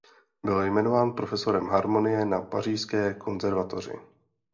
Byl jmenován profesorem harmonie na pařížské konzervatoři.